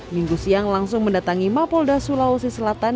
minggu siang langsung mendatangi mapolda sulawesi selatan